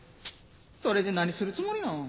それで何するつもりなん？